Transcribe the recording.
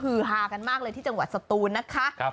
คือฮากันมากเลยที่จังหวัดสตูนนะคะ